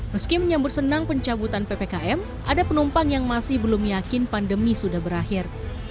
meski menyambut senang pencabutan ppkm ada penumpang yang masih belum yakin pandemi sudah berakhir